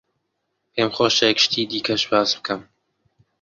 پێم خۆشە یەک شتی دیکەش باس بکەم.